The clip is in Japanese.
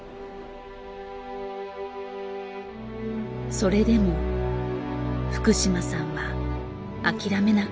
それでも福島さんは諦めなかった。